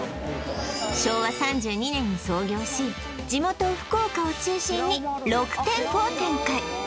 昭和３２年に創業し地元福岡を中心に６店舗を展開